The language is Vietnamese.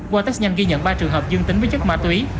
qua test nhanh ghi nhận ba trường hợp dương tính với chất ma túy